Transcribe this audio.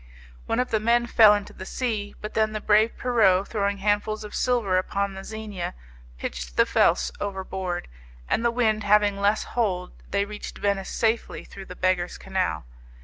One of the men fell into the sea, but then the brave Pierrot, throwing handfuls of silver upon the 'Zenia' pitched the 'felce' over board, and the wind having less hold they reached Venice safely through the Beggars' Canal.